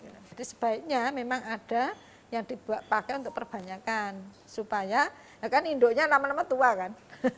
jadi sebaiknya memang ada yang dibuat pakai untuk perbanyakan supaya ya kan indoknya lama lama tua kan